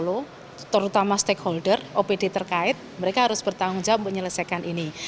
seluruh masyarakat di kota solo terutama stakeholder opd terkait mereka harus bertanggung jawab menyelesaikan ini